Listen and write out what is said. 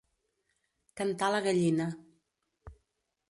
Cantar la gallina.